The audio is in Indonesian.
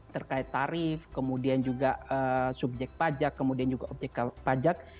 terkait tarif kemudian juga subjek pajak kemudian juga objek pajak